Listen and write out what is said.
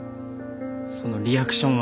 そのリアクションは。